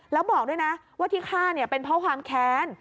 แล้วบอกด้วยนะว่าที่ฆ่าเนี่ยเป็นเพราะความแค้น